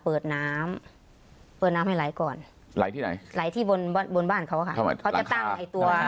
เปิดน้ำเปิดน้ำให้ไหลก่อนไหลที่ไหนไหลที่บนบนบ้านเขาอะค่ะเขาจะตั้งไอ้ตัว